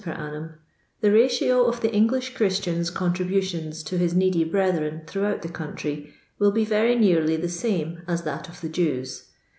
per annum), the ratio of the English Christian's contributions to his needy brethren throughout the country will be very nearly the same as that of the Jew's.